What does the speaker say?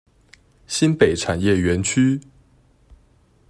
新北產業園區